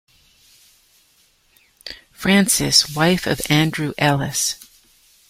Frances, wife of Andrew Ellis.